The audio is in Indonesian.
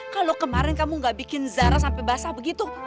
kalau kemarin kamu gak bikin zara sampai basah begitu